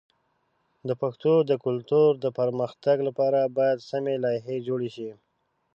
د پښتو د کلتور د پرمختګ لپاره باید سمی لایحې جوړ شي.